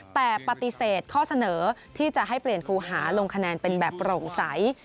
แต่ปฏิเสธข้อเสนอที่จะให้เปลี่ยนครูหาลงคะแนนเป็นแบบโปร่งใส